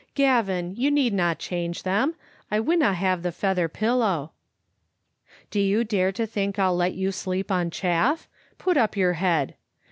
" Gavin, you needna change them. I winna have the feather pillow." "Do you dare to think I'll let you sleep on chaff? Put up your head.